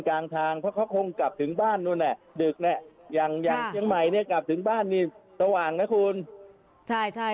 มาจากโคลาสค่ะมาจากเอ่อเข้าใจได้มาจากราชบุรีอ่าหลายที่